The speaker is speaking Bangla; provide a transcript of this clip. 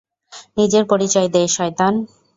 নিজের পরিচয় দে, শয়তান!